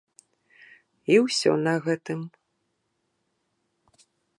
І ўсё на гэтым.